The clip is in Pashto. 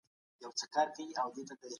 قران کریم د باطلې لاري مال خوړل منع کړي دي.